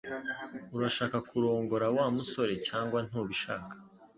Urashaka kurongora Wa musore cyangwa ntubishaka